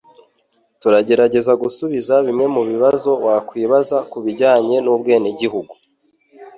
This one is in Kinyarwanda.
turagerageza gusubiza bimwe mu bibazo wakwibaza ku bijyanye n'ubwenegihugu